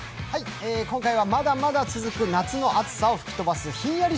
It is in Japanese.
今回は、まだまだ続く夏の暑さを吹き飛ばすひんやり